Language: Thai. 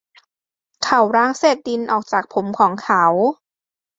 เขาล้างเศษดินออกจากผมของเขา